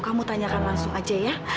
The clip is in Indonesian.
kamu tanyakan langsung aja ya